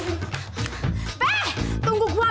gua kata juga apa